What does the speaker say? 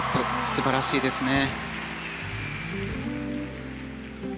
素晴らしいですね。